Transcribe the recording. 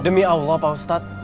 demi allah pak ustadz